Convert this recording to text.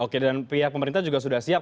oke dan pihak pemerintah juga sudah siap